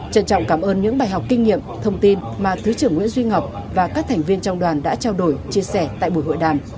trân trọng cảm ơn những bài học kinh nghiệm thông tin mà thứ trưởng nguyễn duy ngọc và các thành viên trong đoàn đã trao đổi chia sẻ tại buổi hội đàm